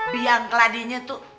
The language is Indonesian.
biang keladinya tuh